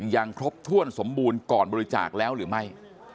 ยังครบถ้วนสมบูรณ์ก่อนบริจาคแล้วหรือไม่